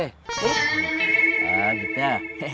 eh ah gitu ya